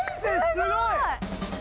すごい！